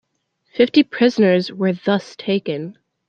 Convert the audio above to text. Fifty prisoners were thus taken.